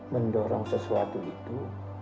mendorong sesuatu itu